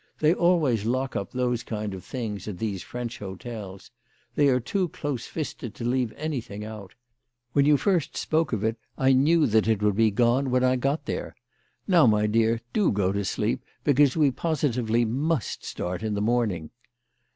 They always lock up those kind of things at these French hotels. They are too close fisted to leave anything out. When you first spoke of it I knew that it would be gone when I got there. JSTow, my dear, do go to sleep, because we posi tively must start in the morning."